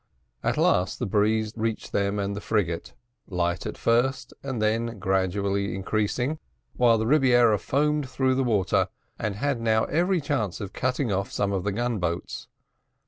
At last the breeze reached them and the frigate, light at first and then gradually increasing, while the Rebiera foamed through the water and had now every chance of cutting off some of the gun boats.